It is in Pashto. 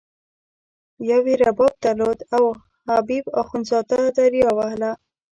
یوه یې رباب درلود او حبیب اخندزاده دریا وهله.